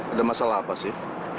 ada masalah apa sih